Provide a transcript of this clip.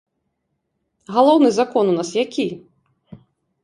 Галоўны закон у нас які?